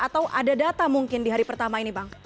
atau ada data mungkin di hari pertama ini bang